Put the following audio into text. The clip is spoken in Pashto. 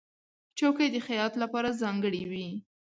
چوکۍ د خیاط لپاره ځانګړې وي.